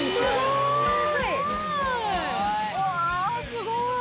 すごい。